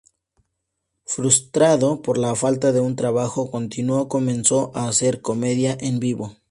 Frustrado por la falta de un trabajo continuado, comenzó a hacer comedia en vivo.